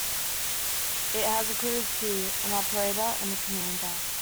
It has a crew of two, an operator and a commander.